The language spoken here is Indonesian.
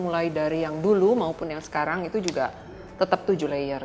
mulai dari yang dulu maupun yang sekarang itu juga tetap tujuh layer